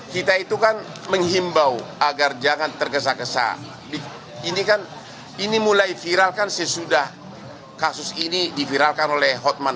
kalau kami mengatakan bukti hukumnya belum begitu kuat untuk menyatakan bgd ini sebagai tersangka dpr